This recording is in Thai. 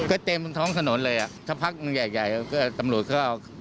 ก็เต็มท้องถนนเลยอ่ะถ้าพักอย่างใหญ่ก็ตำรวจเขาก็